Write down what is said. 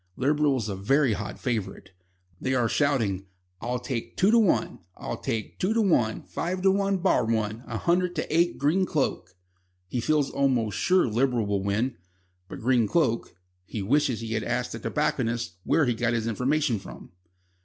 Liberal is a very hot favourite. They are shouting: "I'll take two to one. I'll take two to one. Five to one bar one. A hundred to eight Green Cloak." He feels almost sure Liberal will win, but Green Cloak he wishes he had asked the tobacconist where he got his information from.